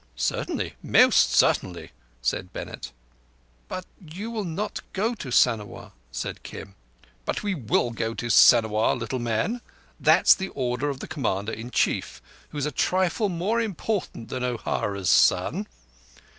"Certainly—most certainly," said Bennett. "But you will not go to Sanawar," said Kim. "But we will go to Sanawar, little man. That's the order of the Commander in Chief, who's a trifle more important than O'Hara's son."